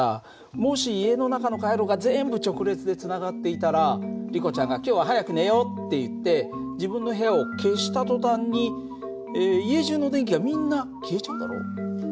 もし家の中の回路が全部直列でつながっていたらリコちゃんが今日は早く寝ようっていって自分の部屋を消した途端に家中の電気がみんな消えちゃうだろ？